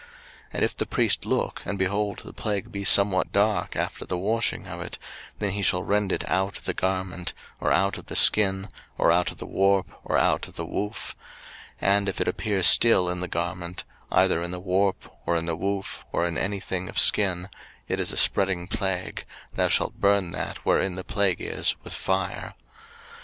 03:013:056 And if the priest look, and, behold, the plague be somewhat dark after the washing of it; then he shall rend it out of the garment, or out of the skin, or out of the warp, or out of the woof: 03:013:057 And if it appear still in the garment, either in the warp, or in the woof, or in any thing of skin; it is a spreading plague: thou shalt burn that wherein the plague is with fire.